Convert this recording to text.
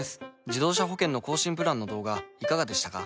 自動車保険の更新プランの動画いかがでしたか？